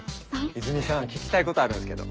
イズミさん聞きたいことあるんすけど。